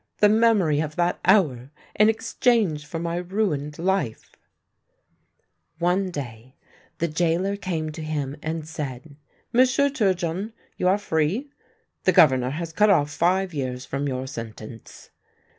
the memory of that hour, in exchange for my ruined life !" One day the gaoler came to him and said :" M'sieu' Turgeon, you are free. The Governor has cut off five years from your sentence."